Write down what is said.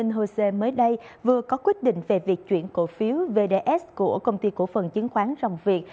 tp hcm mới đây vừa có quyết định về việc chuyển cổ phiếu vds của công ty cổ phần chiến khoán rồng việt